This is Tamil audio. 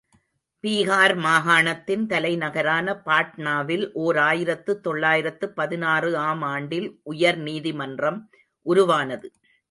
பீகார் மாகாணத்தின் தலைநகரான பாட்னாவில் ஓர் ஆயிரத்து தொள்ளாயிரத்து பதினாறு ஆம் ஆண்டில் உயர்நீதி மன்றம் உருவானது.